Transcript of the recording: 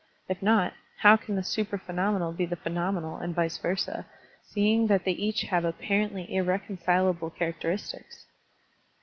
If not, how can the supra phenomenal be the phenomenal, and vice versa, seeing that they each have apparently irreconcilable characteristics?